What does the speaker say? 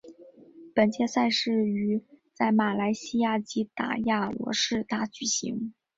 本届赛事于在马来西亚吉打亚罗士打举行。